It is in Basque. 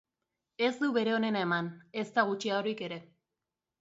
Ez du bere onena eman, ezta gutxiagorik ere.